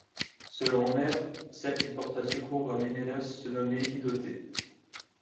Selon Homère, celle qui porta secours à Ménélas se nommait Idothée.